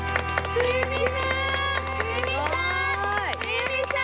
冬美さん！